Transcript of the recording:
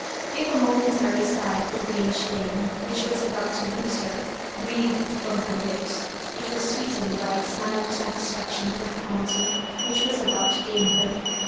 If a mo mentary sigh for Grange I^e, which was about to lose her, breathed from her lips, it was sweet ened by a smile of satisfaction for the oounty which was about to gain her.